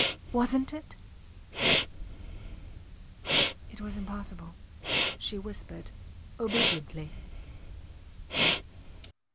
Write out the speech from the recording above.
Wasnt it? It was impossible, she whispered, obediently.